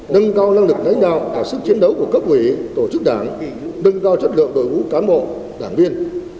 nâng cao năng lực lãnh đạo và sức chiến đấu của cấp ủy tổ chức đảng nâng cao chất lượng đội ngũ cán bộ đảng viên